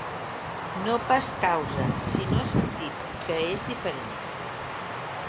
No pas causa sinó sentit, que és diferent.